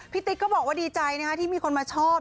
พี่ติ๊กก็บอกดีใจนะครับที่มีคนมาชอบ